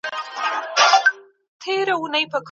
ور واوړي نو دواړه خواوی وظیفه لري چي مقصر یوه بل ته وسپاري.